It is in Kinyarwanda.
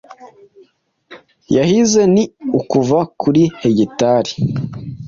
yahize ni ukuva kuri hegitari